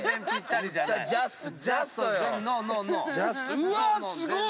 うわすごい！